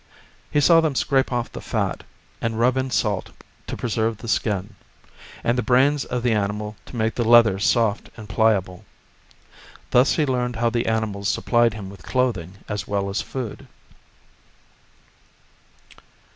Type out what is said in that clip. He saw them scrape off the fat, and rub in salt to preserve the skin, and the brains of the animal to make the leather soft and pliable. Thus he learned how the animals supplied him with clothing as well as food.